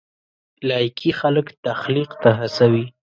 لایکي خلک تخلیق ته هڅوي.